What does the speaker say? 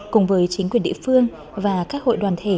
cùng với chính quyền địa phương và các hội đoàn thể